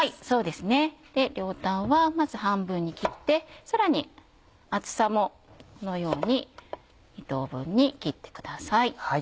で両端はまず半分に切ってさらに厚さもこのように２等分に切ってください。